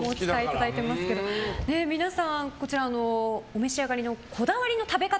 皆さん、こちらのお召し上がりのこだわりの食べ方